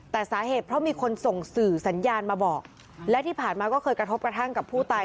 แต่สาเหตุเพราะมีคนส่งสื่อสัญญาณมาบอกและที่ผ่านมาก็เคยกระทบกระทั่งกับผู้ตาย